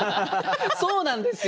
そうなんですよ。